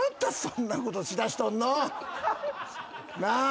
なあ！